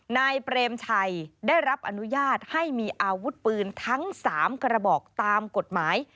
นายเปรมชัยได้รับอนุญาตให้มีอาวุธปืนทั้ง๓กระบอกตามกฎหมาย